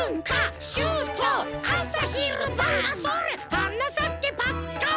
「はなさけパッカン」